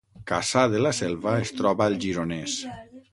Cassà de la Selva es troba al Gironès